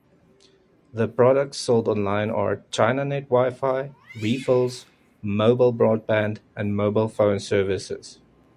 The products sold online are: ChinaNet Wi-Fi, Refills, Mobile Broadband and Mobile Phone services.